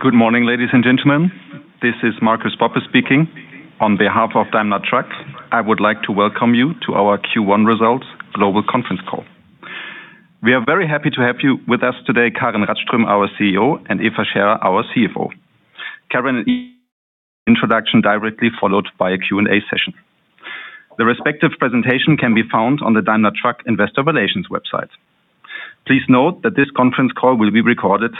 Good morning, ladies and gentlemen. This is Marcus Poppe speaking. On behalf of Daimler Truck, I would like to welcome you to our Q1 results global conference call. We are very happy to have you with us today, Karin Rådström, our CEO, and Eva Scherer, our CFO. Karin, introduction directly followed by a Q&A session. The respective presentation can be found on the Daimler Truck Investor Relations website. Please note that this conference call will be recorded.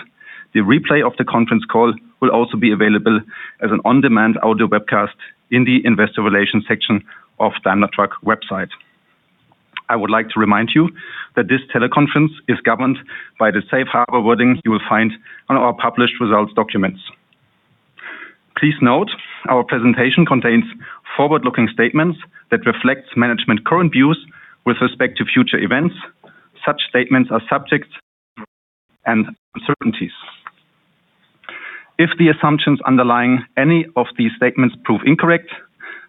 The replay of the conference call will also be available as an on-demand audio webcast in the Investor Relations section of Daimler Truck website. I would like to remind you that this teleconference is governed by the safe harbor wording you will find on our published results documents. Please note our presentation contains forward-looking statements that reflect management current views with respect to future events. Such statements are subject and uncertainties. If the assumptions underlying any of these statements prove incorrect,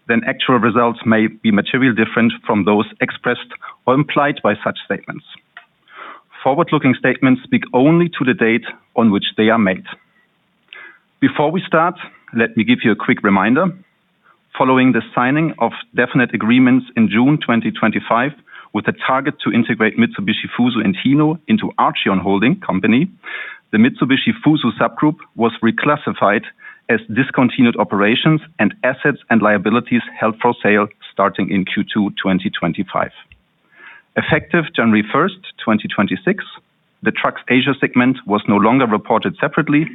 then actual results may be materially different from those expressed or implied by such statements. Forward-looking statements speak only to the date on which they are made. Before we start, let me give you a quick reminder. Following the signing of definite agreements in June 2025, with a target to integrate Mitsubishi Fuso and Hino into ARCHION Holding Company, the Mitsubishi Fuso subgroup was reclassified as discontinued operations and assets and liabilities held for sale starting in Q2 2025. Effective January 1, 2026, the Trucks Asia segment was no longer reported separately,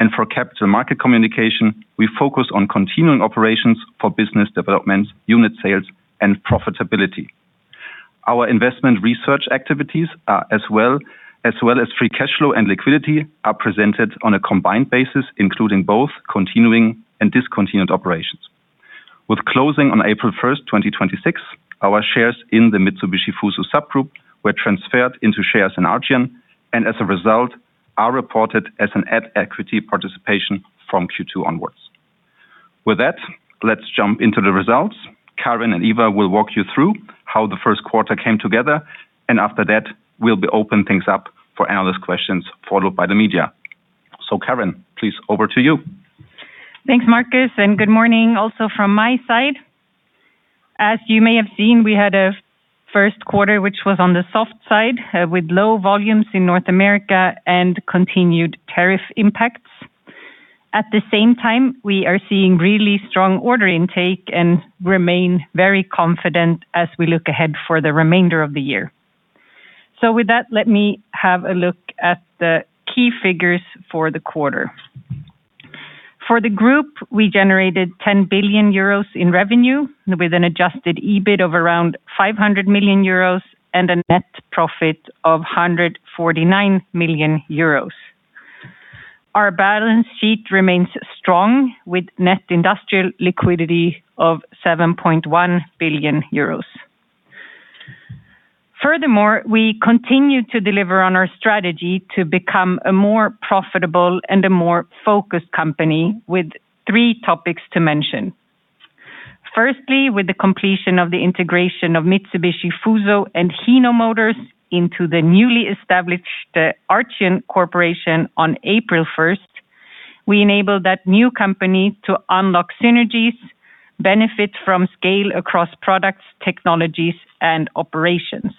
and for capital market communication, we focused on continuing operations for business development, unit sales, and profitability. Our investment research activities as well as free cash flow and liquidity are presented on a combined basis, including both continuing and discontinued operations. With closing on April 1, 2026, our shares in the Mitsubishi Fuso were transferred into shares in ARCHION, and as a result, are reported as an at-equity participation from Q2 onwards. With that, let's jump into the results. Karin and Eva will walk you through how the first quarter came together, and after that, we'll be open things up for analyst questions, followed by the media. Karin, please, over to you. Thanks, Marcus, and good morning also from my side. As you may have seen, we had a first quarter, which was on the soft side, with low volumes in North America and continued tariff impacts. At the same time, we are seeing really strong order intake and remain very confident as we look ahead for the remainder of the year. With that, let me have a look at the key figures for the quarter. For the group, we generated 10 billion euros in revenue with an adjusted EBIT of around 500 million euros and a net profit of 149 million euros. Our balance sheet remains strong with net industrial liquidity of 7.1 billion euros. Furthermore, we continue to deliver on our strategy to become a more profitable and a more focused company with three topics to mention. Firstly, with the completion of the integration of Mitsubishi Fuso and Hino Motors into the newly established ARCHION Corporation on April 1, we enable that new company to unlock synergies, benefit from scale across products, technologies, and operations.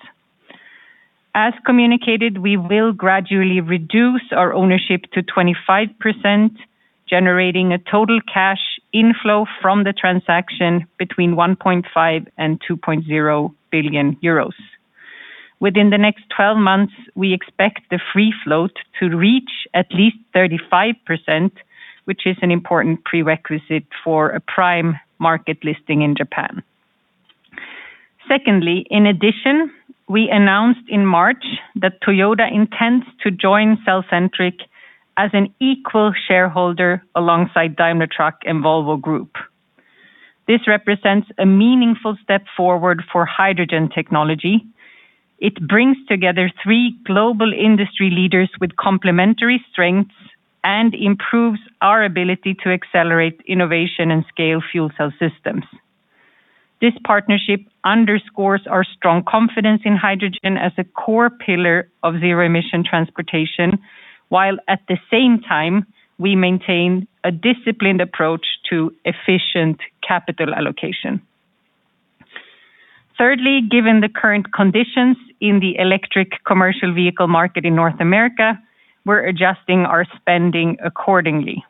As communicated, we will gradually reduce our ownership to 25%, generating a total cash inflow from the transaction between 1.5 billion and 2.0 billion euros. Within the next 12 months, we expect the free float to reach at least 35%, which is an important prerequisite for a prime market listing in Japan. Secondly, in addition, we announced in March that Toyota intends to join Cellcentric as an equal shareholder alongside Daimler Truck and Volvo Group. This represents a meaningful step forward for hydrogen technology. It brings together three global industry leaders with complementary strengths and improves our ability to accelerate innovation and scale fuel cell systems. This partnership underscores our strong confidence in hydrogen as a core pillar of zero-emission transportation, while at the same time, we maintain a disciplined approach to efficient capital allocation. Given the current conditions in the electric commercial vehicle market in North America, we're adjusting our spending accordingly.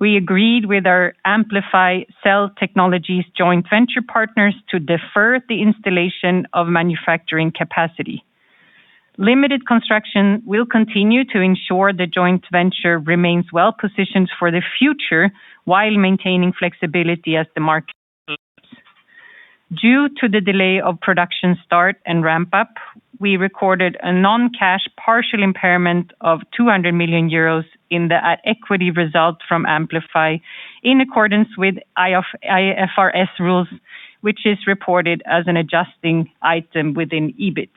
We agreed with our Amplify Cell Technologies joint venture partners to defer the installation of manufacturing capacity. Limited construction will continue to ensure the joint venture remains well-positioned for the future while maintaining flexibility as the market allows. Due to the delay of production start and ramp-up, we recorded a non-cash partial impairment of 200 million euros in the at equity result from Amplify in accordance with IFRS rules, which is reported as an adjusting item within EBIT.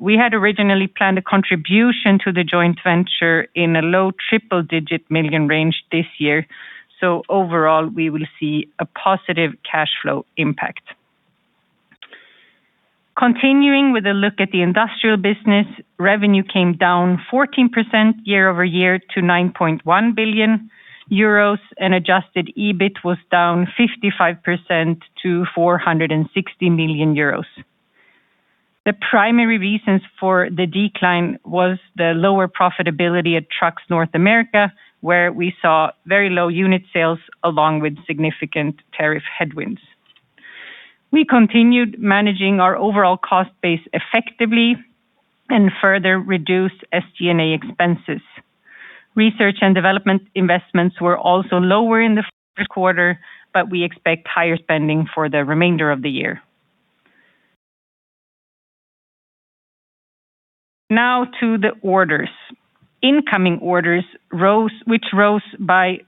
We had originally planned a contribution to the joint venture in a low triple-digit million range this year. Overall, we will see a positive cash flow impact. Continuing with a look at the industrial business, revenue came down 14% year-over-year to 9.1 billion euros. Adjusted EBIT was down 55% to 460 million euros. The primary reasons for the decline was the lower profitability at Trucks North America, where we saw very low unit sales along with significant tariff headwinds. We continued managing our overall cost base effectively and further reduced SG&A expenses. Research and development investments were also lower in the first quarter. We expect higher spending for the remainder of the year. Now to the orders. Incoming orders rose, which rose by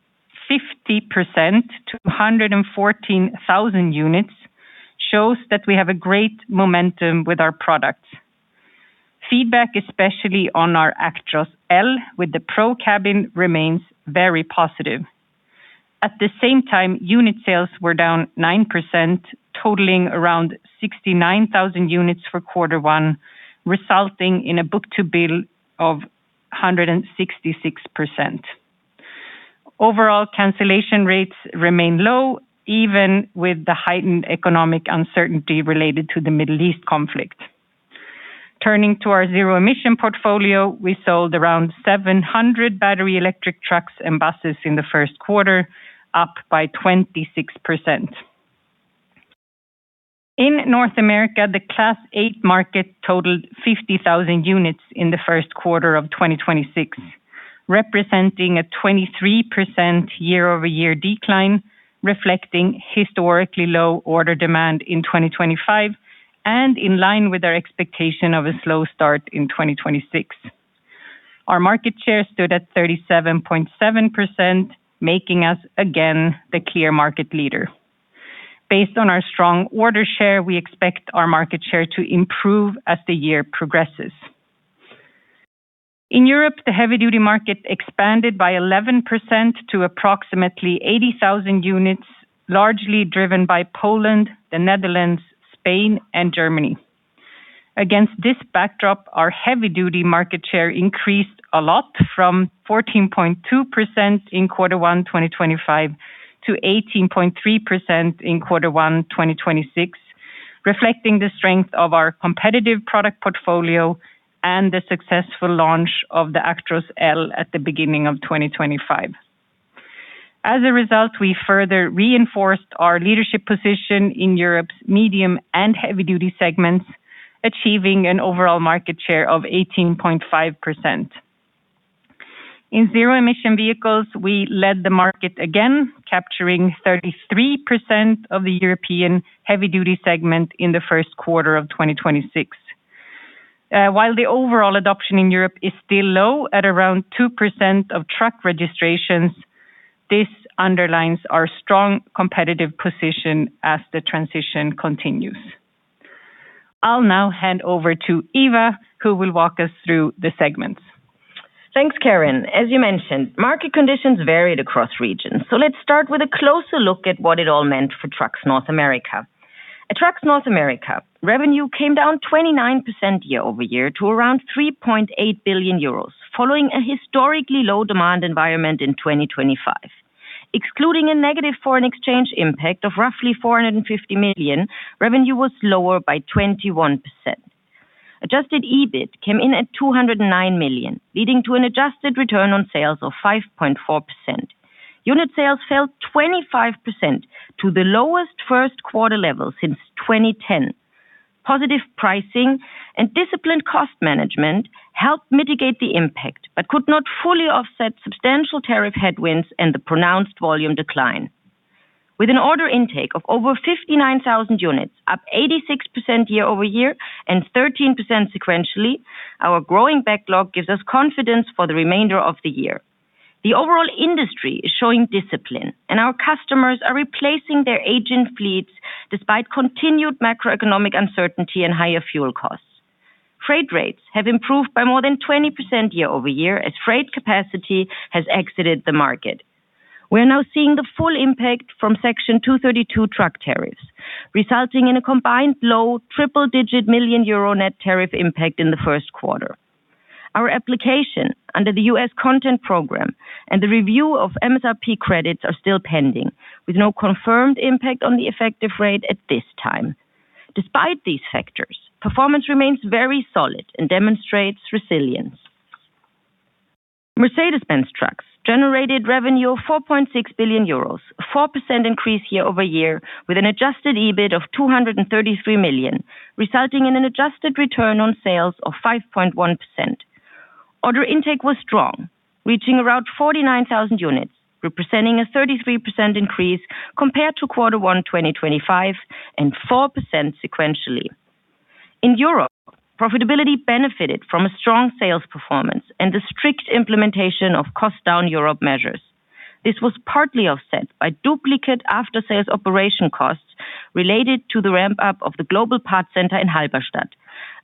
50% to 114,000 housing units, shows that we have a great momentum with our products. Feedback, especially on our Actros L with the ProCabin, remains very positive. At the same time, unit sales were down 9%, totaling around 69,000 units for quarter one, resulting in a book-to-bill of 166%. Overall cancellation rates remain low, even with the heightened economic uncertainty related to the Middle East conflict. Turning to our zero-emission portfolio, we sold around 700 battery electric trucks and buses in the first quarter, up by 26%. In North America, the Class 8 market totaled 50,000 units in the first quarter of 2026, representing a 23% year-over-year decline, reflecting historically low order demand in 2025 and in line with our expectation of a slow start in 2026. Our market share stood at 37.7%, making us again the clear market leader. Based on our strong order share, we expect our market share to improve as the year progresses. In Europe, the heavy-duty market expanded by 11% to approximately 80,000 units, largely driven by Poland, the Netherlands, Spain, and Germany. Against this backdrop, our heavy-duty market share increased a lot from 14.2% in Q1 2025 to 18.3% in Q1 2026, reflecting the strength of our competitive product portfolio and the successful launch of the Actros L at the beginning of 2025. As a result, we further reinforced our leadership position in Europe's medium and heavy-duty segments, achieving an overall market share of 18.5%. In zero-emission vehicles, we led the market again, capturing 33% of the European heavy duty segment in the first quarter of 2026. While the overall adoption in Europe is still low at around 2% of truck registrations, this underlines our strong competitive position as the transition continues. I'll now hand over to Eva, who will walk us through the segments. Thanks, Karin. As you mentioned, market conditions varied across regions. Let's start with a closer look at what it all meant for Trucks North America. At Trucks North America, revenue came down 29% year-over-year to around 3.8 billion euros following a historically low demand environment in 2025. Excluding a negative foreign exchange impact of roughly 450 million, revenue was lower by 21%. Adjusted EBIT came in at 209 million, leading to an adjusted return on sales of 5.4%. Unit sales fell 25% to the lowest first quarter level since 2010. Positive pricing and disciplined cost management helped mitigate the impact but could not fully offset substantial tariff headwinds and the pronounced volume decline. With an order intake of over 59,000 units, up 86% year-over-year and 13% sequentially, our growing backlog gives us confidence for the remainder of the year. The overall industry is showing discipline, and our customers are replacing their aging fleets despite continued macroeconomic uncertainty and higher fuel costs. Freight rates have improved by more than 20% year-over-year as freight capacity has exited the market. We are now seeing the full impact from Section 232 truck tariffs, resulting in a combined low triple-digit million EUR net tariff impact in the first quarter. Our application under the U.S. Content Program and the review of MSRP credits are still pending, with no confirmed impact on the effective rate at this time. Despite these factors, performance remains very solid and demonstrates resilience. Mercedes-Benz Trucks generated revenue of 4.6 billion euros, a 4% increase year-over-year, with an adjusted EBIT of 233 million, resulting in an adjusted return on sales of 5.1%. Order intake was strong, reaching around 49,000 units, representing a 33% increase compared to Q1 2025 and 4% sequentially. In Europe, profitability benefited from a strong sales performance and the strict implementation of Cost Down Europe measures. This was partly offset by duplicate aftersales operation costs related to the ramp-up of the Global Parts Center in Halberstadt,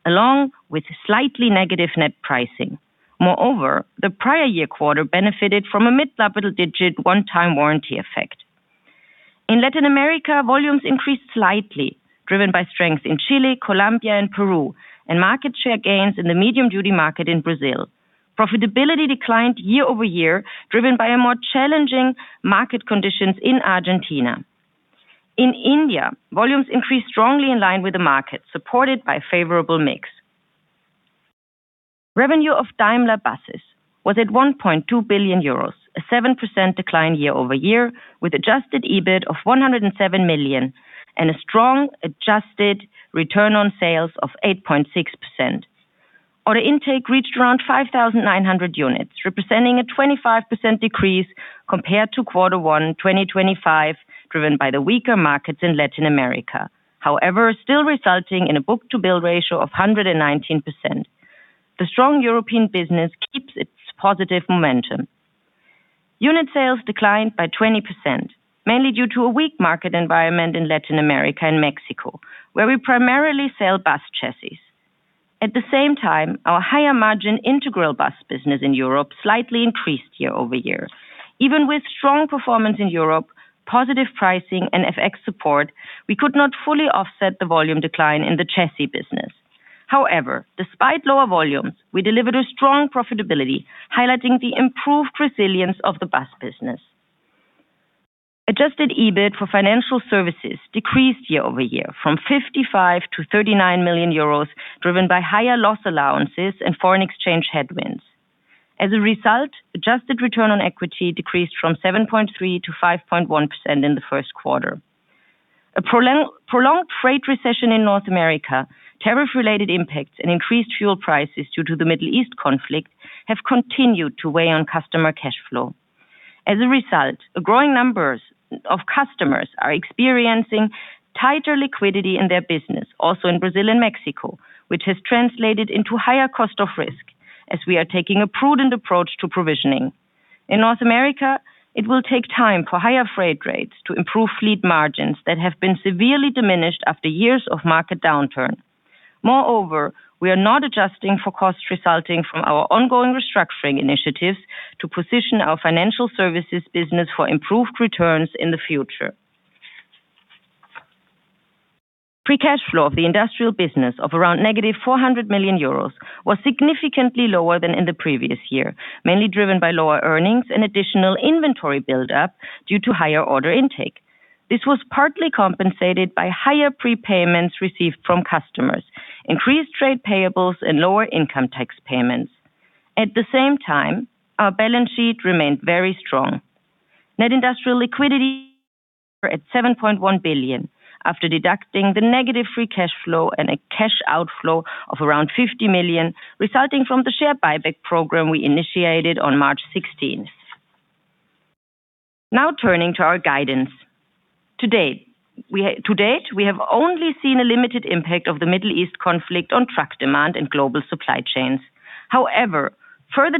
along with slightly negative net pricing. Moreover, the prior year quarter benefited from a mid-double-digit one-time warranty effect. In Latin America, volumes increased slightly, driven by strength in Chile, Colombia and Peru, and market share gains in the medium-duty market in Brazil. Profitability declined year-over-year, driven by more challenging market conditions in Argentina. In India, volumes increased strongly in line with the market, supported by favorable mix. Revenue of Daimler Buses was at 1.2 billion euros, a 7% decline year-over-year, with adjusted EBIT of 107 million and a strong adjusted return on sales of 8.6%. Order intake reached around 5,900 units, representing a 25% decrease compared to Q1 2025, driven by the weaker markets in Latin America. Still resulting in a book-to-bill ratio of 119%. The strong European business keeps its positive momentum. Unit sales declined by 20%, mainly due to a weak market environment in Latin America and Mexico, where we primarily sell bus chassis. At the same time, our higher margin integral bus business in Europe slightly increased year-over-year. Even with strong performance in Europe, positive pricing and FX support, we could not fully offset the volume decline in the chassis business. Despite lower volumes, we delivered a strong profitability, highlighting the improved resilience of the bus business. Adjusted EBIT for financial services decreased year-over-year from 55 million-39 million euros, driven by higher loss allowances and foreign exchange headwinds. Adjusted return on equity decreased from 7.3%-5.1% in the first quarter. A prolonged freight recession in North America, tariff related impacts and increased fuel prices due to the Middle East conflict have continued to weigh on customer cash flow. As a result, a growing number of customers are experiencing tighter liquidity in their business, also in Brazil and Mexico, which has translated into higher cost of risk as we are taking a prudent approach to provisioning. In North America, it will take time for higher freight rates to improve fleet margins that have been severely diminished after years of market downturn. Moreover, we are not adjusting for costs resulting from our ongoing restructuring initiatives to position our financial services business for improved returns in the future. Free cash flow of the industrial business of around negative 400 million euros was significantly lower than in the previous year, mainly driven by lower earnings and additional inventory build-up due to higher order intake. This was partly compensated by higher prepayments received from customers, increased trade payables and lower income tax payments. At the same time, our balance sheet remained very strong. Net industrial liquidity at 7.1 billion after deducting the negative free cash flow and a cash outflow of around 50 million, resulting from the share buyback program we initiated on March 16. Turning to our guidance. Today, to date, we have only seen a limited impact of the Middle East conflict on truck demand and global supply chains. However, further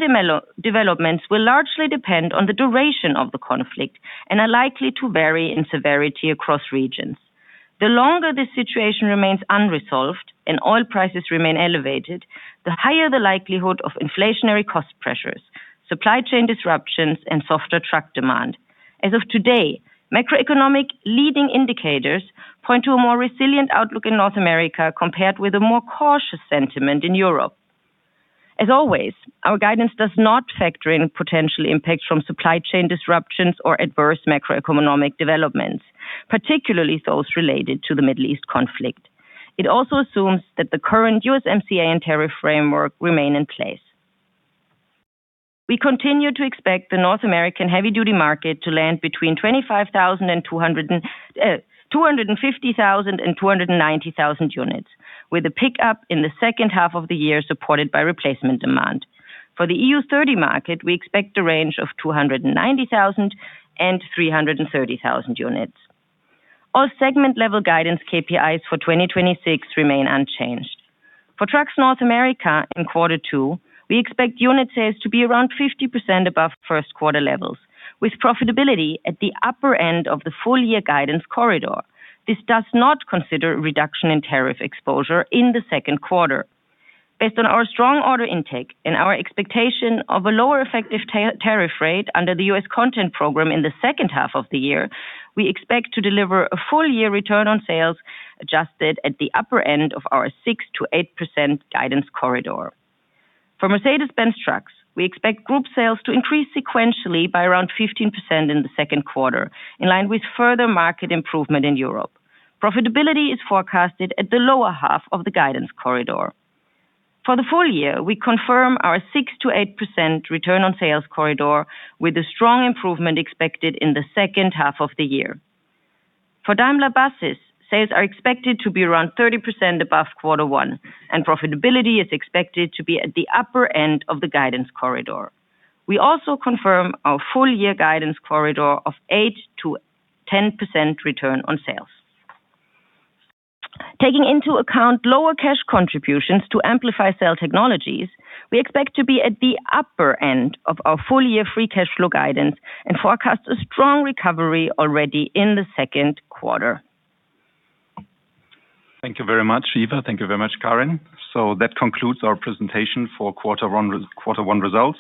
developments will largely depend on the duration of the conflict and are likely to vary in severity across regions. The longer this situation remains unresolved and oil prices remain elevated, the higher the likelihood of inflationary cost pressures, supply chain disruptions and softer truck demand. As of today, macroeconomic leading indicators point to a more resilient outlook in North America compared with a more cautious sentiment in Europe. As always, our guidance does not factor in potential impacts from supply chain disruptions or adverse macroeconomic developments, particularly those related to the Middle East conflict. It also assumes that the current USMCA and tariff framework remain in place. We continue to expect the North American heavy-duty market to land between 250,000 and 290,000 units, with a pickup in the second half of the year supported by replacement demand. For the EU30 market, we expect a range of 290,000-330,000 units. All segment-level guidance KPIs for 2026 remain unchanged. For Trucks North America in Q2, we expect unit sales to be around 50% above Q1 levels, with profitability at the upper end of the full year guidance corridor. This does not consider reduction in tariff exposure in the second quarter. Based on our strong order intake and our expectation of a lower effective tariff rate under the U.S. content program in the second half of the year, we expect to deliver a full-year return on sales adjusted at the upper end of our 6%-8% guidance corridor. For Mercedes-Benz Trucks, we expect group sales to increase sequentially by around 15% in the second quarter, in line with further market improvement in Europe. Profitability is forecasted at the lower half of the guidance corridor. For the full year, we confirm our 6%-8% return on sales corridor with a strong improvement expected in the second half of the year. For Daimler Buses, sales are expected to be around 30% above quarter one, and profitability is expected to be at the upper end of the guidance corridor. We also confirm our full year guidance corridor of 8%-10% return on sales. Taking into account lower cash contributions to Amplify Cell Technologies, we expect to be at the upper end of our full-year free cash flow guidance and forecast a strong recovery already in the second quarter. Thank you very much, Eva. Thank you very much, Karin. That concludes our presentation for quarter one results.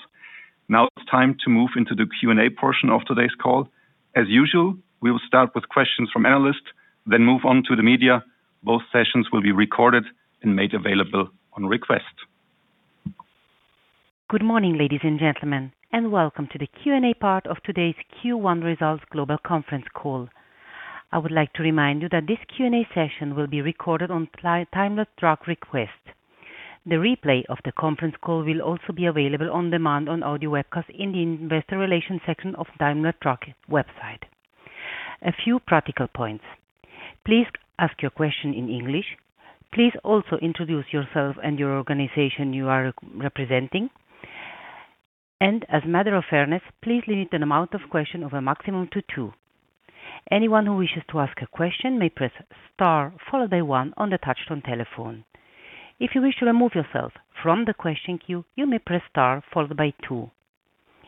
Now it's time to move into the Q&A portion of today's call. As usual, we will start with questions from analysts, then move on to the media. Both sessions will be recorded and made available on request. Good morning, ladies and gentlemen, welcome to the Q&A part of today's Q1 results global conference call. I would like to remind you that this Q&A session will be recorded on Daimler Truck request. The replay of the conference call will also be available on demand on audio webcast in the investor relations section of Daimler Truck website. A few practical points. Please ask your question in English. Please also introduce yourself and your organization you are representing. As a matter of fairness, please limit an amount of question of a maximum to two. Anyone who wishes to ask a question may press Star followed by 1 on the touch-tone telephone. If you wish to remove yourself from the question queue, you may press Star followed by two.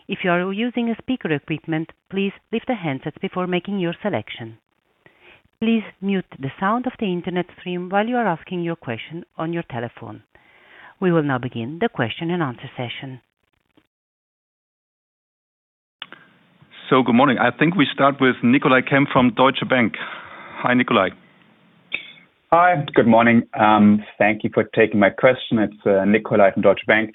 If you are using a speaker equipment, please lift the handsets before making your selection. Please mute the sound of the Internet stream while you are asking your question on your telephone. We will now begin the question and answer session. Good morning. I think we start with Nicolai Kempf from Deutsche Bank. Hi, Nicolai. Hi. Good morning. Thank you for taking my question. It's Nicolai from Deutsche Bank.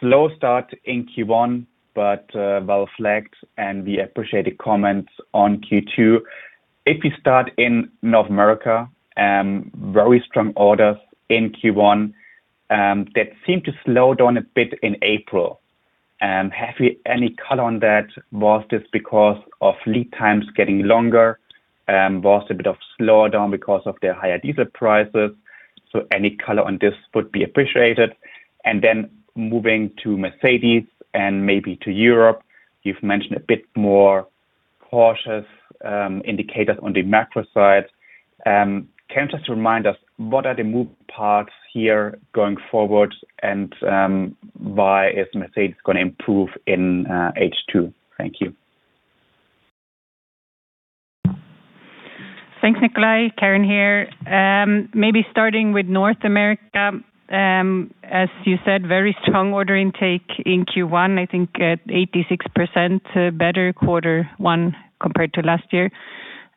Slow start in Q1, but well flagged, and we appreciate the comments on Q2. If you start in North America, very strong orders in Q1, that seemed to slow down a bit in April. Have you any color on that? Was this because of lead times getting longer? Was it a bit of slowdown because of the higher diesel prices? Any color on this would be appreciated. Moving to Mercedes and maybe to Europe, you've mentioned a bit more cautious indicators on the macro side. Can you just remind us what are the move parts here going forward and why is Mercedes gonna improve in H2? Thank you. Thanks, Nicolai. Karin here. Maybe starting with North America, as you said, very strong order intake in Q1, I think at 86% better Q1 compared to last year.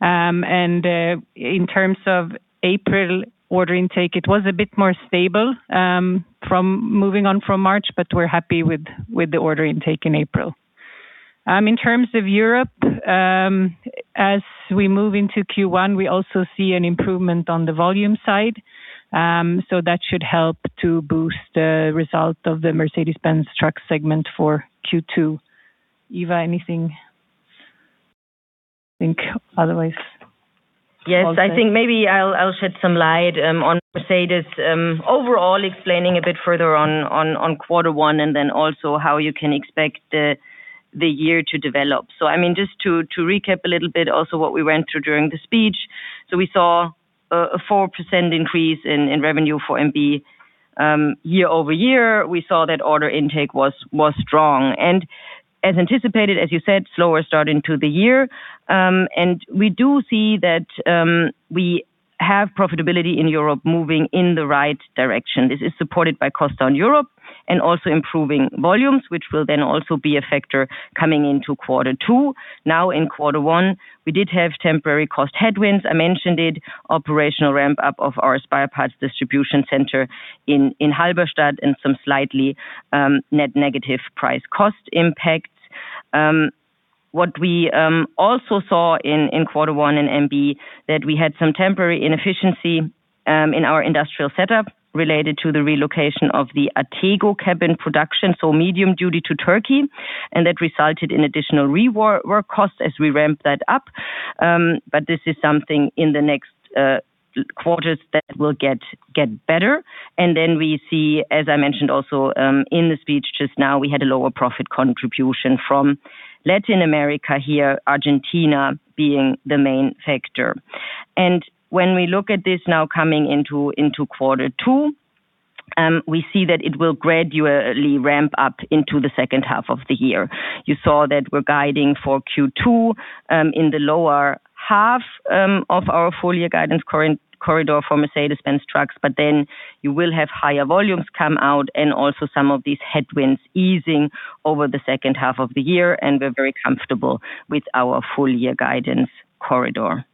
In terms of April order intake, it was a bit more stable from moving on from March, but we're happy with the order intake in April. In terms of Europe, as we move into Q1, we also see an improvement on the volume side. That should help to boost the result of the Mercedes-Benz Trucks segment for Q2. Eva Scherer, anything I think otherwise? Yes. I think maybe I'll shed some light on Mercedes overall explaining a bit further on quarter one, and then also how you can expect the year to develop. I mean, just to recap a little bit also what we went through during the speech. We saw a 4% increase in revenue for MB. Year-over-year, we saw that order intake was strong. As anticipated, as you said, slower start into the year. We do see that we have profitability in Europe moving in the right direction. This is supported by Cost Down Europe and also improving volumes, which will then also be a factor coming into quarter two. Now in quarter one, we did have temporary cost headwinds. I mentioned it, operational ramp-up of our spare parts distribution center in Halberstadt and some slightly net negative price cost impacts. What we also saw in quarter one in MB, that we had some temporary inefficiency in our industrial setup related to the relocation of the Atego cabin production, so medium duty to Turkey, and that resulted in additional work costs as we ramp that up. But this is something in the next quarters that will get better. We see, as I mentioned also, in the speech just now, we had a lower profit contribution from Latin America here, Argentina being the main factor. When we look at this now coming into quarter two, we see that it will gradually ramp up into the second half of the year. You saw that we're guiding for Q2, in the lower half, of our full year guidance corridor for Mercedes-Benz Trucks. You will have higher volumes come out and also some of these headwinds easing over the second half of the year. We're very comfortable with our full year guidance corridor.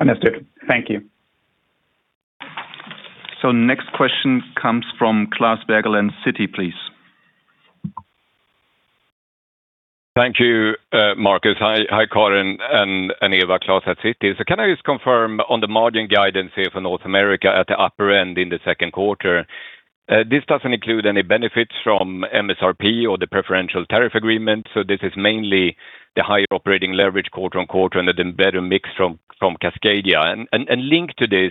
Understood. Thank you. Next question comes from Klas Bergelind, Citi, please. Thank you, Marcus. Hi, Karin and Eva. Klas at Citi. Can I just confirm on the margin guidance here for North America at the upper end in the second quarter? This doesn't include any benefits from MSRP or the preferential tariff agreement. This is mainly the higher operating leverage quarter-on-quarter and then better mix from Cascadia. Linked to this,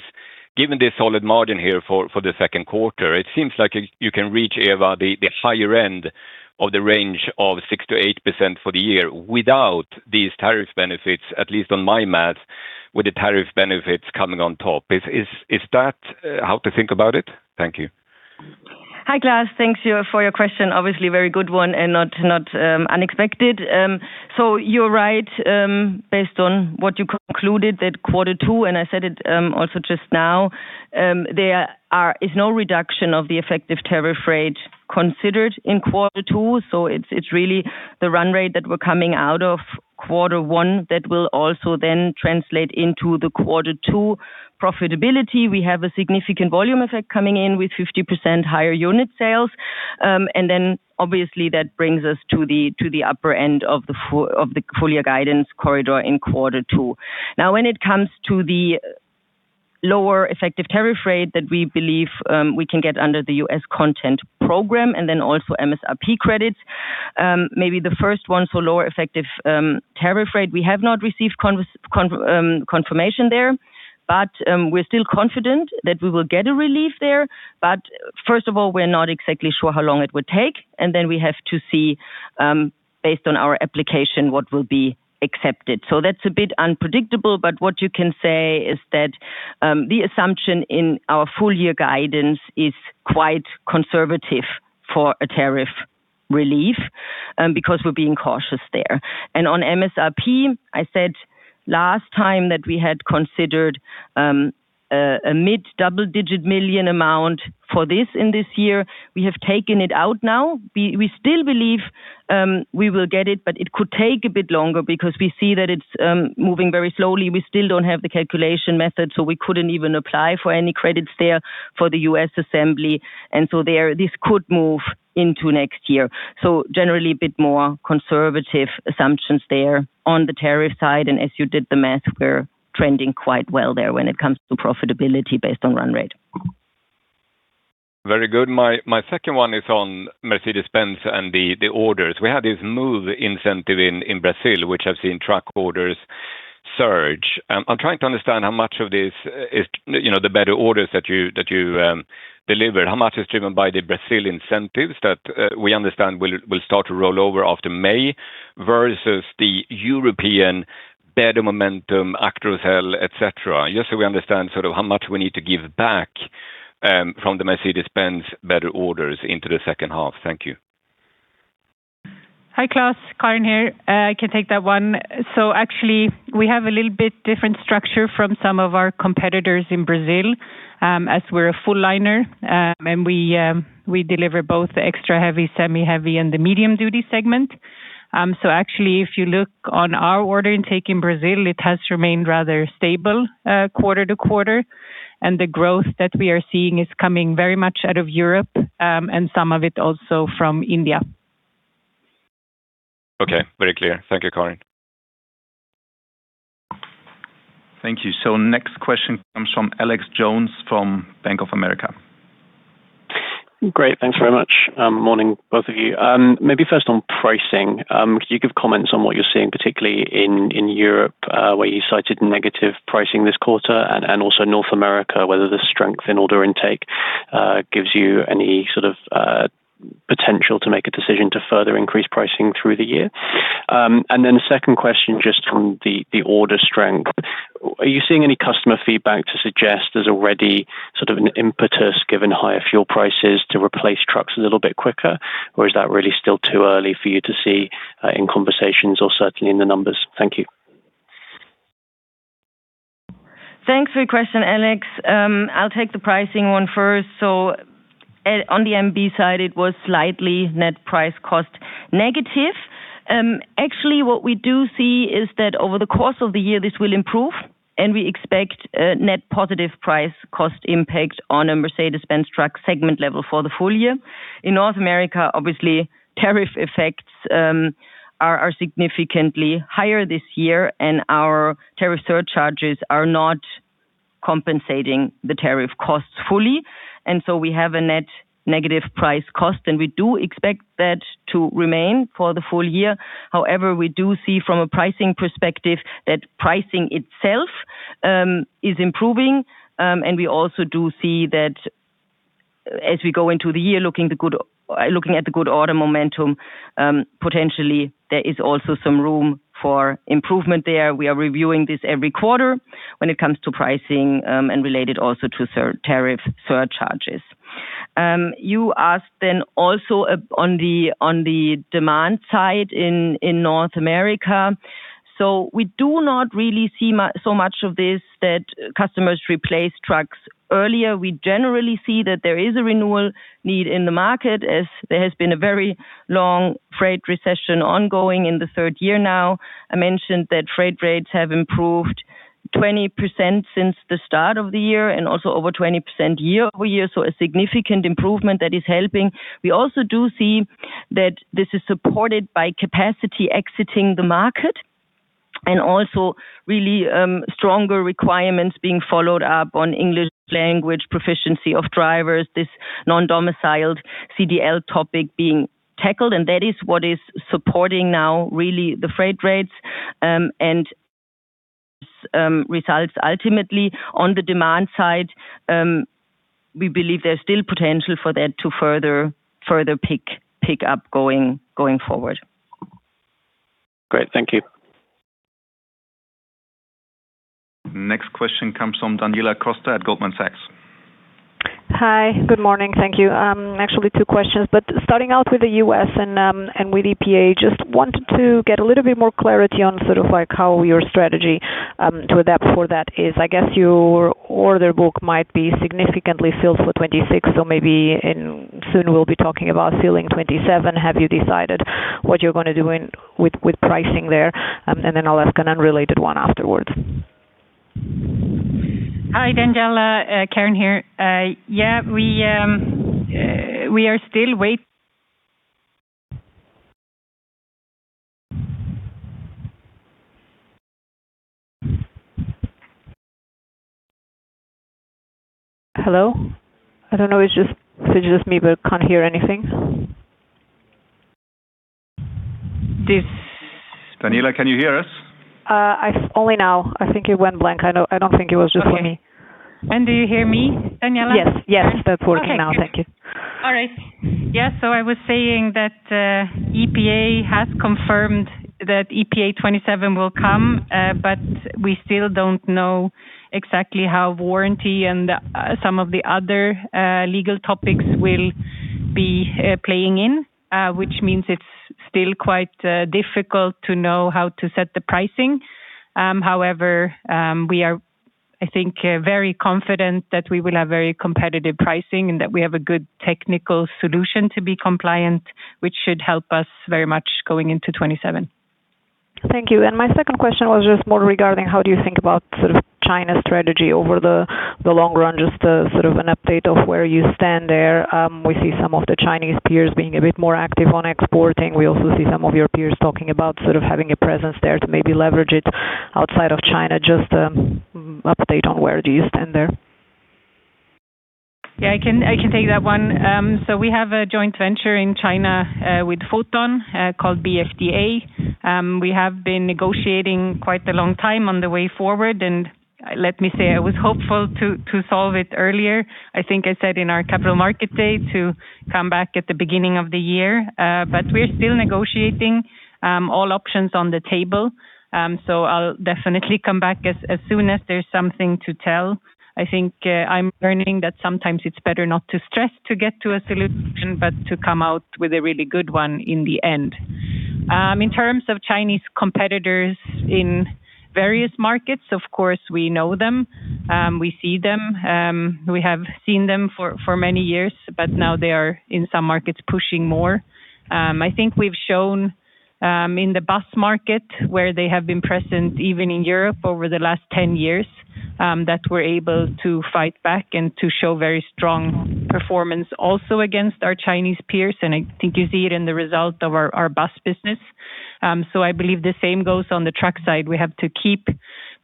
given the solid margin here for the second quarter, it seems like you can reach, Eva, the higher end of the range of 6%-8% for the year without these tariff benefits, at least on my math, with the tariff benefits coming on top. Is that how to think about it? Thank you. Hi, Klas. Thank you for your question. Obviously, a very good one and not unexpected. You're right, based on what you concluded that quarter two, and I said it also just now, there is no reduction of the effective tariff rate considered in quarter two. It's really the run rate that we're coming out of quarter one that will also then translate into the quarter two profitability. We have a significant volume effect coming in with 50% higher unit sales. And obviously that brings us to the upper end of the full year guidance corridor in quarter two. When it comes to the lower effective tariff rate that we believe we can get under the U.S. content program and then also MSRP credits, maybe the first one for lower effective tariff rate, we have not received confirmation there, but we're still confident that we will get a relief there. First of all, we're not exactly sure how long it would take, and then we have to see, based on our application, what will be accepted. That's a bit unpredictable, but what you can say is that the assumption in our full year guidance is quite conservative for a tariff relief, because we're being cautious there. On MSRP, I said last time that we had considered a mid double-digit million EUR amount for this in this year. We have taken it out now. We still believe we will get it, but it could take a bit longer because we see that it's moving very slowly. We still don't have the calculation method, so we couldn't even apply for any credits there for the U.S. assembly. This could move into next year. Generally a bit more conservative assumptions there on the tariff side, and as you did the math, we're trending quite well there when it comes to profitability based on run rate. Very good. My second one is on Mercedes-Benz and the orders. We had this move incentive in Brazil, which has seen truck orders surge. I'm trying to understand how much of this is, you know, the better orders that you delivered. How much is driven by the Brazil incentives that we understand will start to roll over after May versus the European better momentum, Actros L, et cetera, just so we understand sort of how much we need to give back from the Mercedes-Benz better orders into the second half. Thank you. Hi, Klas. Karin here. I can take that one. Actually, we have a little bit different structure from some of our competitors in Brazil, as we're a full liner, and we deliver both the extra heavy, semi-heavy and the medium duty segment. Actually, if you look on our order intake in Brazil, it has remained rather stable, quarter to quarter, and the growth that we are seeing is coming very much out of Europe, and some of it also from India. Okay. Very clear. Thank you, Karin. Thank you. Next question comes from Alex Jones from Bank of America. Great. Thanks very much. Morning, both of you. Maybe first on pricing, could you give comments on what you're seeing, particularly in Europe, where you cited negative pricing this quarter and also North America, whether the strength in order intake gives you any sort of potential to make a decision to further increase pricing through the year? Then the second question, just on the order strength. Are you seeing any customer feedback to suggest there's already sort of an impetus given higher fuel prices to replace trucks a little bit quicker? Or is that really still too early for you to see in conversations or certainly in the numbers? Thank you. Thanks for your question, Alex. I'll take the pricing one first. On the MB side, it was slightly net price cost negative. Actually what we do see is that over the course of the year, this will improve, and we expect a net positive price cost impact on a Mercedes-Benz truck segment level for the full year. In North America, obviously, tariff effects are significantly higher this year, and our tariff surcharges are not compensating the tariff costs fully. We have a net negative price cost, and we do expect that to remain for the full year. We do see from a pricing perspective that pricing itself is improving, and we also do see that as we go into the year looking at the good order momentum, potentially there is also some room for improvement there. We are reviewing this every quarter when it comes to pricing, and related also to tariff surcharges. You asked also on the demand side in North America. We do not really see so much of this that customers replace trucks earlier. We generally see that there is a renewal need in the market as there has been a very long freight recession ongoing in the third year now. I mentioned that freight rates have improved 20% since the start of the year and also over 20% year-over-year. A significant improvement that is helping. We also do see that this is supported by capacity exiting the market and also really, stronger requirements being followed up on English language proficiency of drivers, this non-domiciled CDL topic being tackled, and that is what is supporting now really the freight rates, and, results ultimately on the demand side. We believe there's still potential for that to further pick up going forward. Great. Thank you. Next question comes from Daniela Costa at Goldman Sachs. Hi, good morning. Thank you. Actually two questions, starting out with the U.S. and with EPA, just wanted to get a little bit more clarity on sort of like how your strategy to adapt for that is. I guess your order book might be significantly filled for 2026 or maybe soon we'll be talking about filling 2027. Have you decided what you're gonna do in, with pricing there? I'll ask an unrelated one afterwards. Hi, Daniela, Karin here. Yeah, we are still wai- Hello? I don't know if it's just me, but I can't hear anything. This Daniela, can you hear us? I only now. I think it went blank. I don't think it was just for me. Okay. Do you hear me, Daniela? Yes. Yes. That works now. Okay. Thank you. I was saying that EPA has confirmed that EPA 2027 will come, but we still don't know exactly how warranty and some of the other legal topics will be playing in, which means it's still quite difficult to know how to set the pricing. However, we are, I think, very confident that we will have very competitive pricing and that we have a good technical solution to be compliant, which should help us very much going into 2027. Thank you. My second question was just more regarding how do you think about sort of China's strategy over the long run, just a sort of an update of where you stand there. We see some of the Chinese peers being a bit more active on exporting. We also see some of your peers talking about sort of having a presence there to maybe leverage it outside of China. Just, update on where do you stand there. Yeah, I can take that one. We have a joint venture in China with Foton called BFDA. We have been negotiating quite a long time on the way forward, and let me say I was hopeful to solve it earlier. I think I said in our capital market day to come back at the beginning of the year, we're still negotiating, all options on the table. I'll definitely come back as soon as there's something to tell. I think I'm learning that sometimes it's better not to stress to get to a solution, but to come out with a really good one in the end. In terms of Chinese competitors in various markets, of course, we know them. We see them. We have seen them for many years, but now they are, in some markets, pushing more. I think we've shown in the bus market where they have been present even in Europe over the last 10 years, that we're able to fight back and to show very strong performance also against our Chinese peers, and I think you see it in the result of our bus business. I believe the same goes on the truck side. We have to keep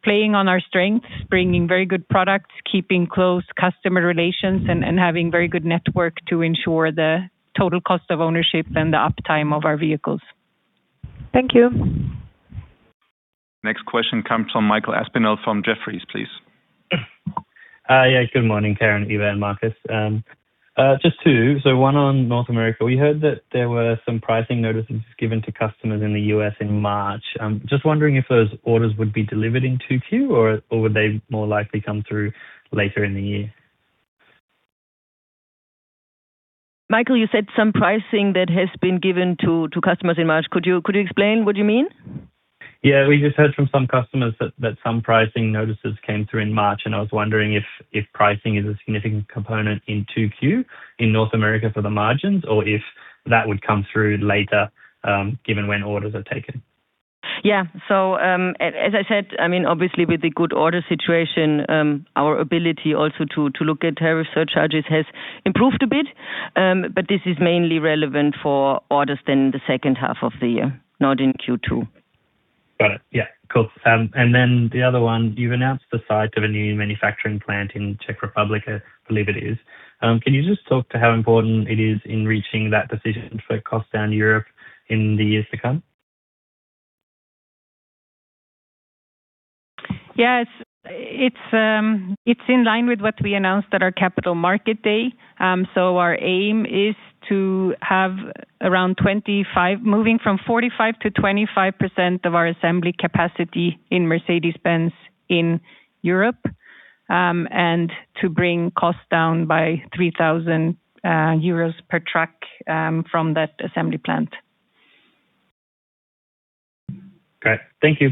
playing on our strengths, bringing very good products, keeping close customer relations, and having very good network to ensure the total cost of ownership and the uptime of our vehicles. Thank you. Next question comes from Michael Aspinall from Jefferies, please. Yes. Good morning, Karin, Eva, and Marcus. Just two. One on North America. We heard that there were some pricing notices given to customers in the U.S. in March. I'm just wondering if those orders would be delivered in 2Q or would they more likely come through later in the year? Michael, you said some pricing that has been given to customers in March. Could you explain what you mean? Yeah. We just heard from some customers that some pricing notices came through in March. I was wondering if pricing is a significant component in 2Q in North America for the margins, or if that would come through later, given when orders are taken. Yeah. As I said, I mean, obviously with the good order situation, our ability also to look at tariff surcharges has improved a bit, but this is mainly relevant for orders in the second half of the year, not in Q2. Got it. Yeah. Cool. Then the other one, you've announced the site of a new manufacturing plant in Czech Republic, I believe it is. Can you just talk to how important it is in reaching that decision for Cost Down Europe in the years to come? Yes. It's in line with what we announced at our capital market day. Our aim is to have around 25%, moving from 45%-25% of our assembly capacity in Mercedes-Benz in Europe, and to bring costs down by 3,000 euros per truck from that assembly plant. Okay. Thank you.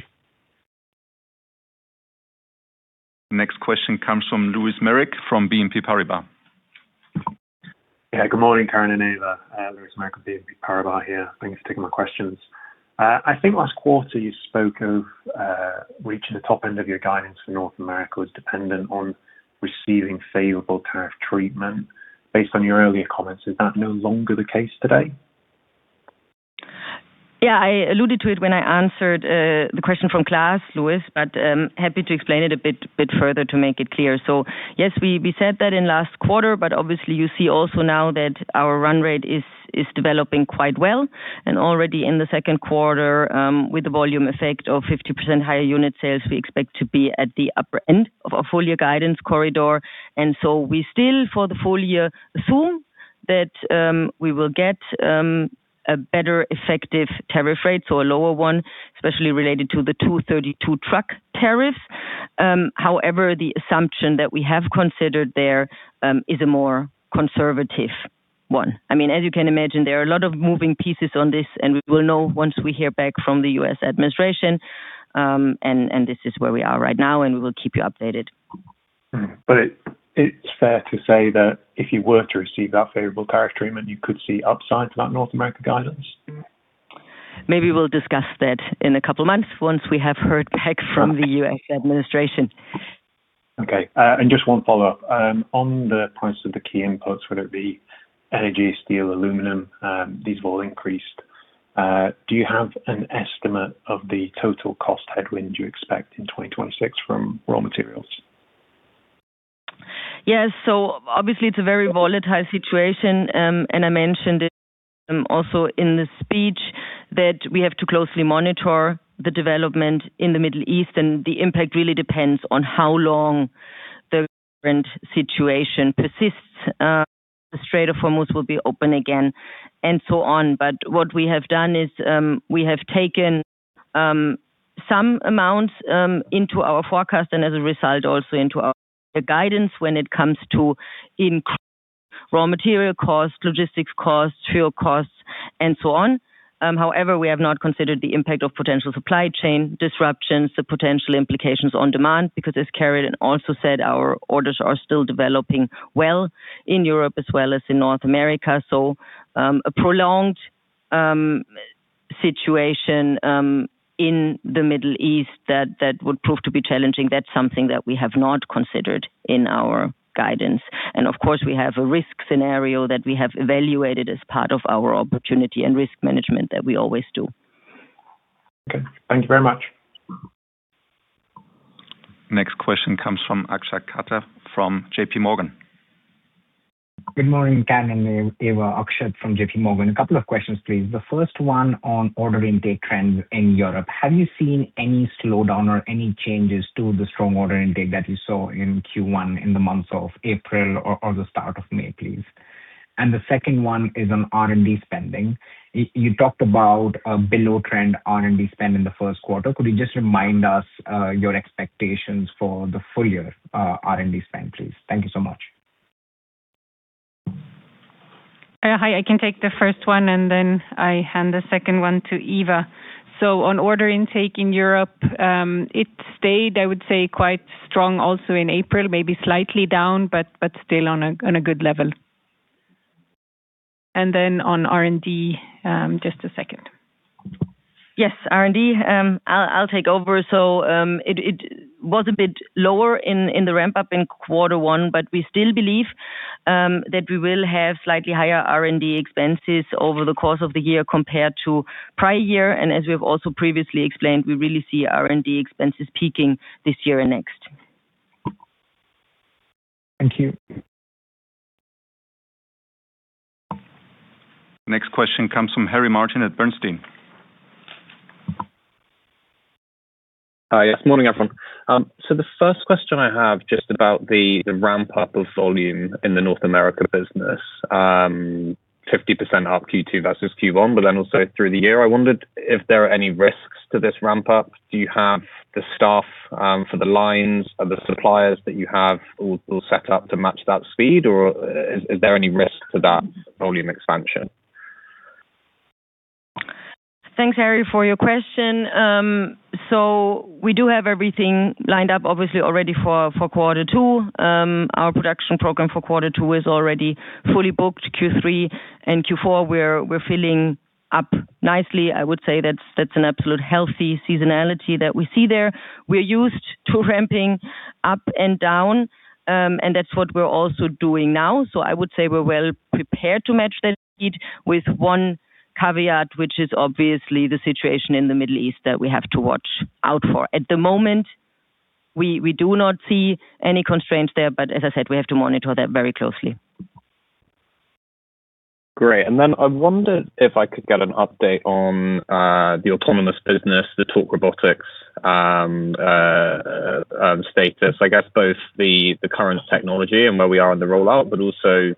Next question comes from Lewis Merrick from BNP Paribas. Yeah. Good morning, Karin and Eva. Lewis Merrick with BNP Paribas here. Thank you for taking my questions. I think last quarter you spoke of reaching the top end of your guidance for North America was dependent on receiving favorable tariff treatment. Based on your earlier comments, is that no longer the case today? Yeah. I alluded to it when I answered the question from Klas, Lewis, but happy to explain it a bit further to make it clear. Yes, we said that in last quarter, but obviously you see also now that our run rate is developing quite well and already in the second quarter, with the volume effect of 50% higher unit sales, we expect to be at the upper end of our full year guidance corridor. We still, for the full year, assume That we will get a better effective tariff rate, so a lower one, especially related to the Section 232 truck tariff. The assumption that we have considered there is a more conservative one. I mean, as you can imagine, there are a lot of moving pieces on this, and we will know once we hear back from the U.S. administration, and this is where we are right now, and we will keep you updated. It's fair to say that if you were to receive that favorable tariff treatment, you could see upside to that North America guidance? Maybe we'll discuss that in a couple of months once we have heard back from the U.S. administration. Okay. Just one follow-up. On the points of the key inputs, whether it be energy, steel, aluminum, these have all increased. Do you have an estimate of the total cost headwind you expect in 2026 from raw materials? Yes. Obviously it's a very volatile situation. I mentioned it also in the speech that we have to closely monitor the development in the Middle East, and the impact really depends on how long the current situation persists, the Strait of Hormuz will be open again and so on. What we have done is, we have taken some amounts into our forecast and as a result also into our guidance when it comes to increased raw material costs, logistics costs, fuel costs, and so on. However, we have not considered the impact of potential supply chain disruptions, the potential implications on demand because as Karin also said, our orders are still developing well in Europe as well as in North America. A prolonged situation in the Middle East that would prove to be challenging. That's something that we have not considered in our guidance. Of course, we have a risk scenario that we have evaluated as part of our opportunity and risk management that we always do. Okay. Thank you very much. Next question comes from Akshat Kacker from JPMorgan. Good morning, Karin and Eva. Akshat from JPMorgan. A couple of questions, please. The first one on order intake trends in Europe. Have you seen any slowdown or any changes to the strong order intake that you saw in Q1 in the months of April or the start of May, please? The second one is on R&D spending. You talked about a below trend R&D spend in the first quarter. Could you just remind us your expectations for the full year R&D spend, please? Thank you so much. Hi. I can take the first one, and then I hand the second one to Eva. On order intake in Europe, it stayed, I would say, quite strong also in April, maybe slightly down, but still on a good level. On R&D, just a second. Yes. R&D, I'll take over. It was a bit lower in the ramp-up in quarter one, but we still believe that we will have slightly higher R&D expenses over the course of the year compared to prior year. As we have also previously explained, we really see R&D expenses peaking this year and next. Thank you. Next question comes from Harry Martin at Bernstein. Hi. Yes. Morning, everyone. The first question I have just about the ramp-up of volume in the North America business, 50% up Q2 versus Q1, also through the year, I wondered if there are any risks to this ramp-up. Do you have the staff for the lines? Are the suppliers that you have all set up to match that speed, or is there any risk to that volume expansion? Thanks, Harry, for your question. We do have everything lined up, obviously already for Q2. Our production program for Q2 is already fully booked. Q3 and Q4, we're filling up nicely. I would say that's an absolute healthy seasonality that we see there. We're used to ramping up and down, that's what we're also doing now. I would say we're well prepared to match that speed with one caveat, which is obviously the situation in the Middle East that we have to watch out for. At the moment, we do not see any constraints there, as I said, we have to monitor that very closely. Great. I wondered if I could get an update on the autonomous business, the Torc Robotics status. I guess both the current technology and where we are in the rollout, but also,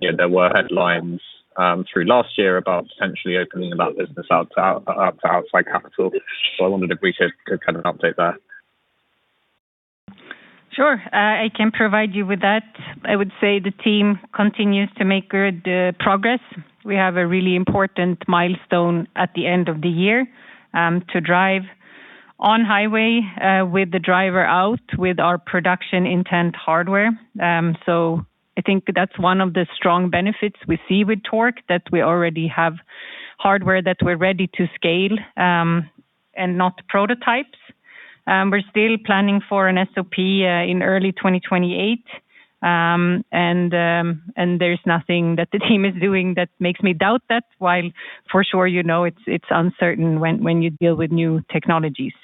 you know, there were headlines through last year about potentially opening that business out to outside capital. I wondered if we could kind of an update there. Sure. I can provide you with that. I would say the team continues to make good progress. We have a really important milestone at the end of the year to drive on highway with the driver out with our production intent hardware. I think that's one of the strong benefits we see with Torc, that we already have hardware that we're ready to scale and not prototypes. We're still planning for an SOP in early 2028. There's nothing that the team is doing that makes me doubt that while for sure, you know, it's uncertain when you deal with new technologies.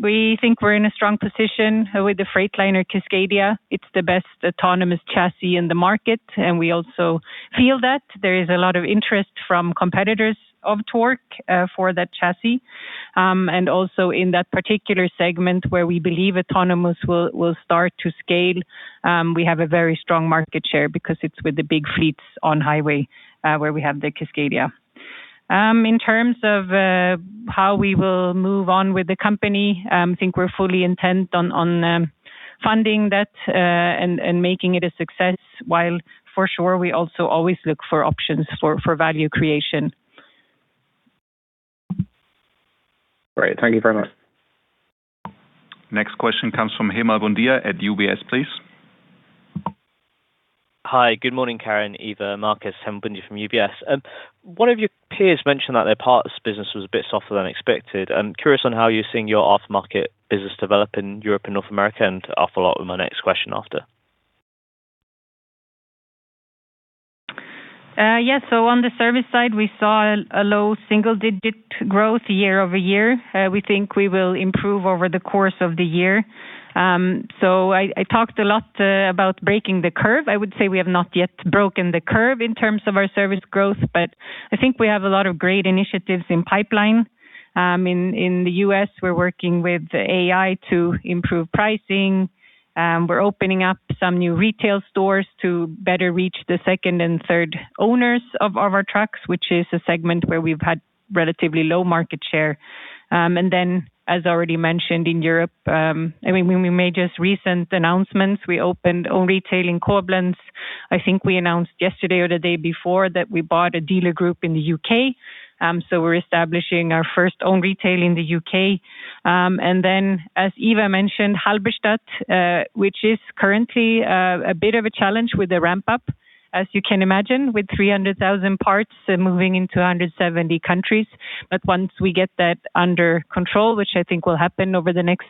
We think we're in a strong position with the Freightliner Cascadia. It's the best autonomous chassis in the market, we also feel that. There is a lot of interest from competitors of Torc for that chassis. And also in that particular segment where we believe autonomous will start to scale, we have a very strong market share because it's with the big fleets on highway, where we have the Cascadia. In terms of how we will move on with the company, I think we're fully intent on funding that and making it a success while for sure we also always look for options for value creation. Great. Thank you very much. Next question comes from Hemal Bhundia at UBS, please. Hi. Good morning, Karin, Eva, Marcus. Hemal Bhundia from UBS. One of your peers mentioned that their parts business was a bit softer than expected. I'm curious on how you're seeing your aftermarket business develop in Europe and North America, and to follow up with my next question after. On the service side, we saw a low single-digit growth year-over-year. We think we will improve over the course of the year. I talked a lot about breaking the curve. I would say we have not yet broken the curve in terms of our service growth, but I think we have a lot of great initiatives in pipeline. In the U.S., we're working with AI to improve pricing. We're opening up some new retail stores to better reach the second and third owners of our trucks, which is a segment where we've had relatively low market share. As already mentioned in Europe, I mean, when we made just recent announcements, we opened own retail in Koblenz. I think we announced yesterday or the day before that we bought a dealer group in the U.K. We're establishing our first own retail in the U.K. As Eva mentioned, Halberstadt, which is currently a bit of a challenge with the ramp-up, as you can imagine, with 300,000 parts moving into 170 countries. Once we get that under control, which I think will happen over the next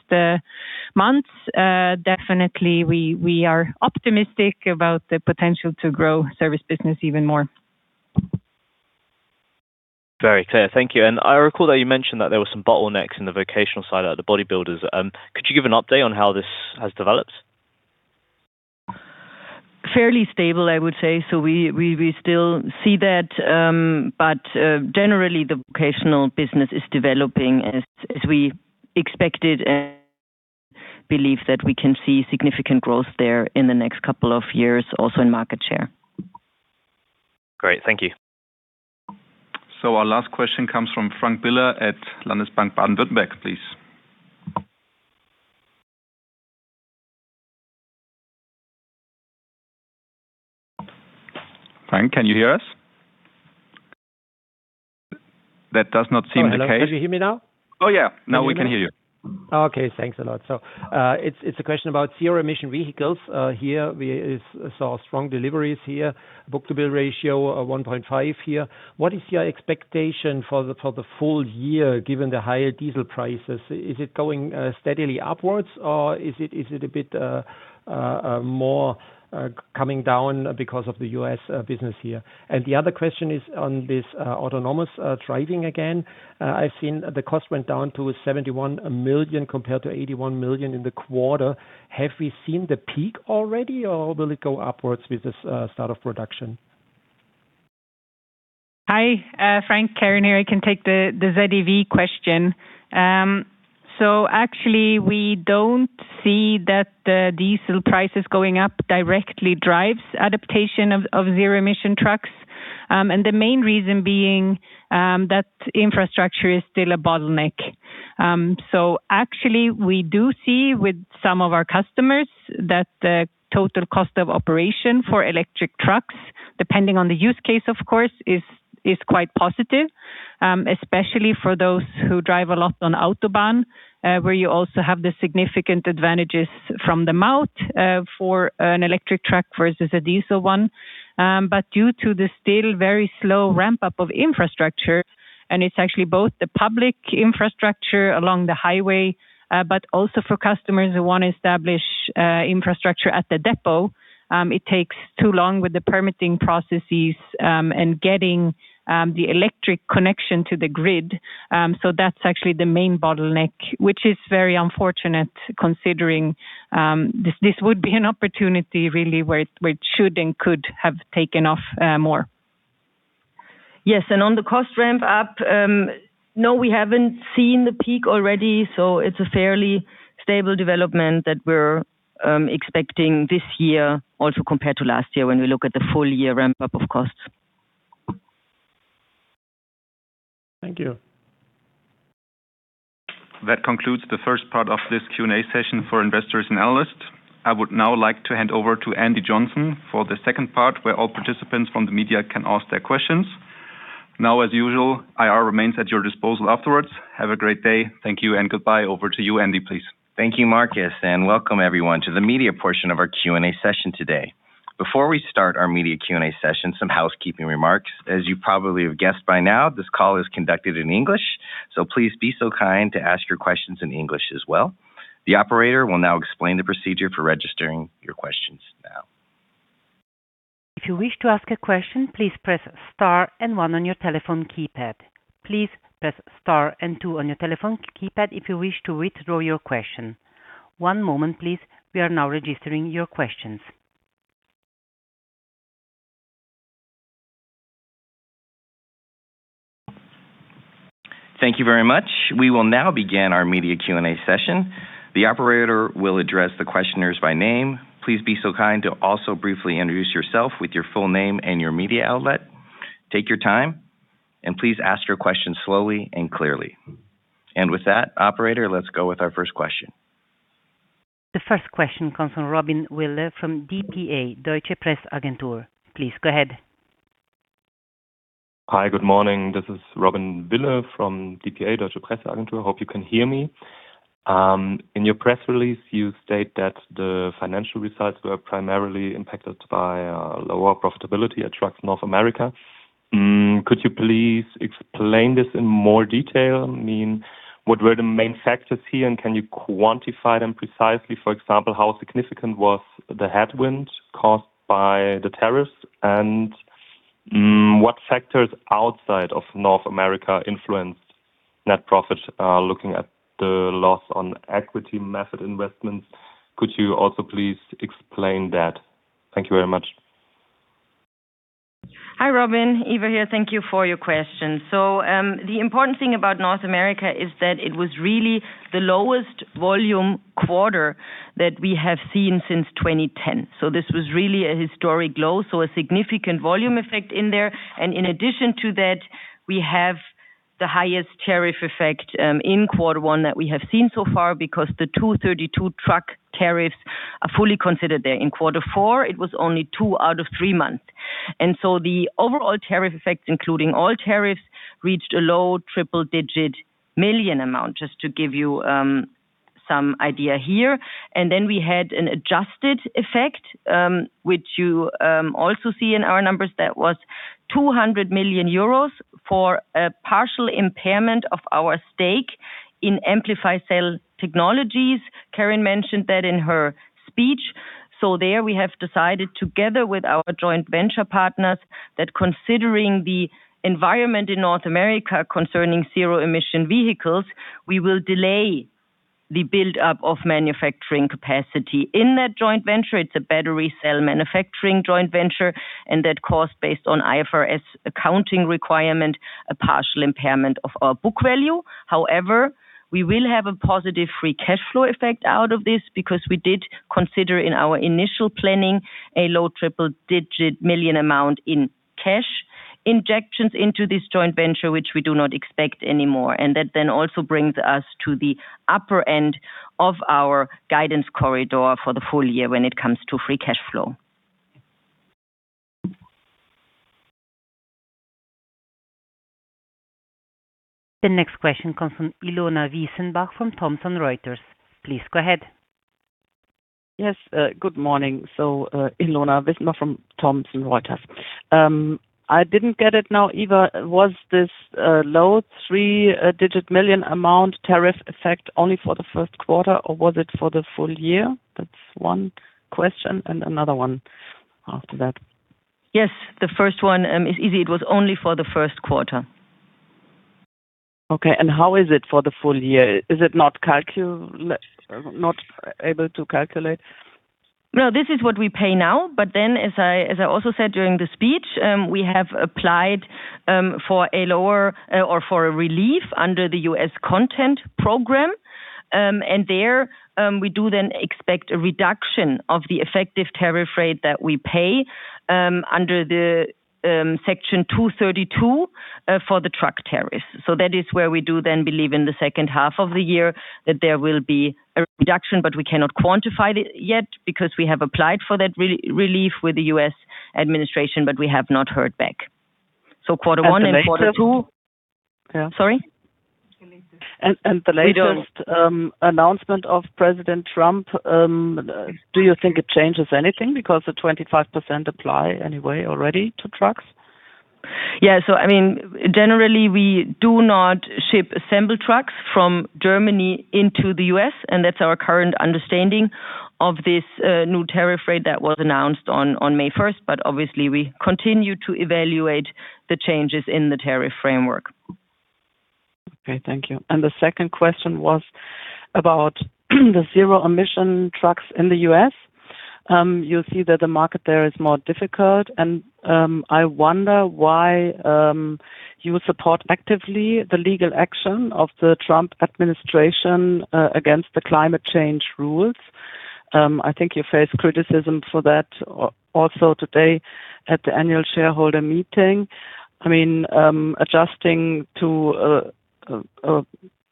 months, definitely we are optimistic about the potential to grow service business even more. Very clear. Thank you. I recall that you mentioned that there were some bottlenecks in the vocational side, like the body builders. Could you give an update on how this has developed? Fairly stable, I would say. We still see that, but generally the vocational business is developing as we expected and believe that we can see significant growth there in the next couple of years, also in market share. Great. Thank you. Our last question comes from Frank Biller at Landesbank Baden-Württemberg, please. Frank, can you hear us? That does not seem the case. Hello. Can you hear me now? Oh, yeah. Now we can hear you. Okay. Thanks a lot. It's a question about zero-emission vehicles. Here we saw strong deliveries, book-to-bill ratio of 1.5. What is your expectation for the full year given the higher diesel prices? Is it going steadily upwards or is it a bit more coming down because of the U.S. business? The other question is on this autonomous driving again. I've seen the cost went down to 71 million compared to 81 million in the quarter. Have we seen the peak already or will it go upwards with this start of production? Hi, Frank. Karin here. I can take the ZEV question. Actually we don't see that the diesel prices going up directly drives adaptation of zero-emission trucks. The main reason being that infrastructure is still a bottleneck. Actually we do see with some of our customers that the total cost of operation for electric trucks, depending on the use case of course, is quite positive, especially for those who drive a lot on Autobahn, where you also have the significant advantages from the Maut for an electric truck versus a diesel one. Due to the still very slow ramp-up of infrastructure, and it's actually both the public infrastructure along the highway, but also for customers who want to establish infrastructure at the depot, it takes too long with the permitting processes and getting the electric connection to the grid. That's actually the main bottleneck, which is very unfortunate considering this would be an opportunity really where it should and could have taken off more. On the cost ramp up, no, we haven't seen the peak already, so it's a fairly stable development that we're expecting this year also compared to last year when we look at the full year ramp-up of costs. Thank you. That concludes the first part of this Q&A session for investors and analysts. I would now like to hand over to Andy Johnson for the second part, where all participants from the media can ask their questions. As usual, IR remains at your disposal afterwards. Have a great day. Thank you and goodbye. Over to you, Andy, please. Thank you, Marcus, and welcome everyone to the media portion of our Q&A session today. Before we start our media Q&A session, some housekeeping remarks. As you probably have guessed by now, this call is conducted in English, so please be so kind to ask your questions in English as well. The operator will now explain the procedure for registering your questions now. If you wish to ask a question, please press star and one on your telephone keypad. Please press star and two on your telephone keypad if you wish to withdraw your question. One moment please. We are now registering your questions. Thank you very much. We will now begin our media Q&A session. The operator will address the questioners by name. Please be so kind to also briefly introduce yourself with your full name and your media outlet. Take your time, and please ask your question slowly and clearly. With that, operator, let's go with our first question. The first question comes from Robin Wille from dpa, Deutsche Presse-Agentur. Please go ahead. Hi. Good morning. This is Robin Wille from dpa, Deutsche Presse-Agentur. Hope you can hear me. In your press release, you state that the financial results were primarily impacted by lower profitability at Trucks North America. Could you please explain this in more detail? I mean, what were the main factors here, and can you quantify them precisely? For example, how significant was the headwind caused by the tariffs, and what factors outside of North America influenced net profit? Looking at the loss on equity method investments, could you also please explain that? Thank you very much. Hi, Robin. Eva here. Thank you for your question. The important thing about North America is that it was really the lowest volume quarter that we have seen since 2010. This was really a historic low, a significant volume effect in there. In addition to that, we have the highest tariff effect in quarter one that we have seen so far because the 232 truck tariffs are fully considered there. In quarter four, it was only two out of 3 months. The overall tariff effects, including all tariffs, reached a low triple-digit million amount, just to give you some idea here. We had an adjusted effect, which you also see in our numbers. That was 200 million euros for a partial impairment of our stake in Amplify Cell Technologies. Karin mentioned that in her speech. There we have decided together with our joint venture partners that considering the environment in North America concerning zero-emission vehicles, we will delay the buildup of manufacturing capacity in that joint venture. It's a battery cell manufacturing joint venture, and that cost based on IFRS accounting requirement, a partial impairment of our book value. However, we will have a positive free cash flow effect out of this because we did consider in our initial planning a low triple-digit million amount in cash injections into this joint venture, which we do not expect anymore. That then also brings us to the upper end of our guidance corridor for the full year when it comes to free cash flow. The next question comes from Ilona Wissenbach from Thomson Reuters. Please go ahead. Yes, good morning. Ilona Wissenbach from Thomson Reuters. I didn't get it now, Eva. Was this EUR low three-digit million amount tariff effect only for the first quarter, or was it for the full year? That's one question, and another one after that. Yes. The first one is easy. It was only for the first quarter. Okay. How is it for the full year? Is it not able to calculate? This is what we pay now. As I also said during the speech, we have applied for a lower, or for a relief under the U.S. content program. There, we do then expect a reduction of the effective tariff rate that we pay under the Section 232 for the truck tariffs. That is where we do then believe in the second half of the year that there will be a reduction, but we cannot quantify it yet because we have applied for that re-relief with the U.S. administration, but we have not heard back. Quarter one and quarter two- The latest. Sorry? The latest announcement of President Trump, do you think it changes anything because the 25% apply anyway already to trucks? Yeah. I mean, generally, we do not ship assembled trucks from Germany into the U.S., and that's our current understanding of this new tariff rate that was announced on May 1. But obviously, we continue to evaluate the changes in the tariff framework. Okay. Thank you. The second question was about the zero-emission trucks in the U.S. you'll see that the market there is more difficult, and I wonder why you support actively the legal action of the Trump administration against the climate change rules. I think you face criticism for that, also today at the annual shareholder meeting. I mean, adjusting to a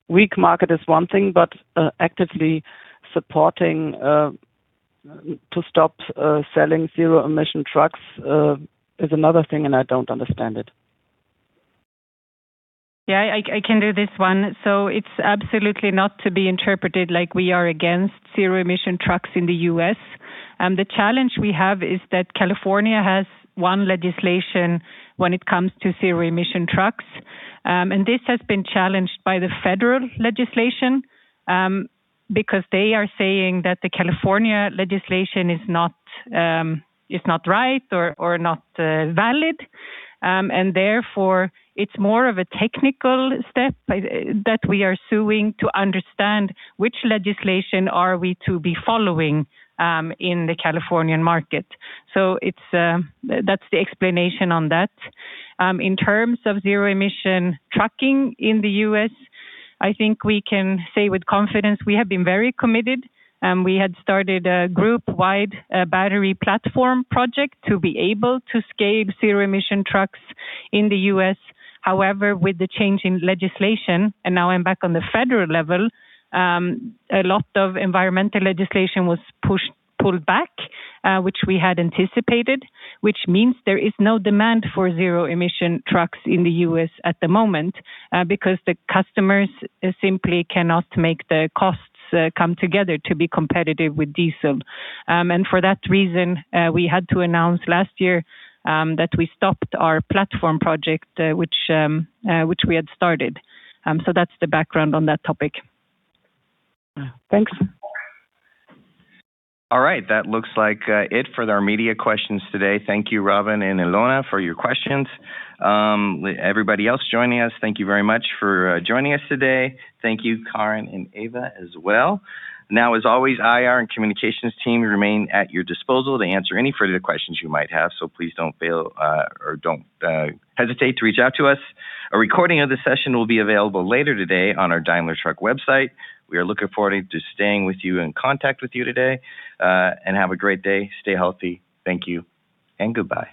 weak market is one thing, but actively supporting to stop selling zero-emission trucks is another thing, and I don't understand it. I can do this one. It's absolutely not to be interpreted like we are against zero-emission trucks in the U.S. The challenge we have is that California has one legislation when it comes to zero-emission trucks. This has been challenged by the federal legislation because they are saying that the California legislation is not right or not valid. Therefore, it's more of a technical step by that we are suing to understand which legislation are we to be following in the Californian market. It's that's the explanation on that. In terms of zero-emission trucking in the U.S., I think we can say with confidence, we have been very committed. We had started a group-wide battery platform project to be able to scale zero-emission trucks in the U.S. However, with the change in legislation, now I'm back on the federal level, a lot of environmental legislation was pushed, pulled back, which we had anticipated, which means there is no demand for zero-emission trucks in the U.S. at the moment, because the customers simply cannot make the costs come together to be competitive with diesel. For that reason, we had to announce last year that we stopped our platform project, which we had started. That's the background on that topic. Thanks. All right. That looks like it for our media questions today. Thank you, Robin and Ilona Wissenbach, for your questions. Everybody else joining us, thank you very much for joining us today. Thank you, Karin Rådström and Eva Scherer, as well. As always, IR and communications team remain at your disposal to answer any further questions you might have. Please don't hesitate to reach out to us. A recording of this session will be available later today on our Daimler Truck website. We are looking forward to staying with you and contact with you today. Have a great day. Stay healthy. Thank you, and goodbye.